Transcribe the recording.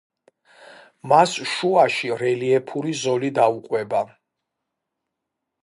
მას შუაში რელიეფური ზოლი დაუყვება.